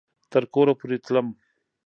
تر کوره پورې تلم